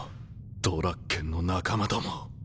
ドラッケンの仲間ども。